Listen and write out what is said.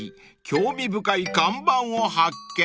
興味深い看板を発見］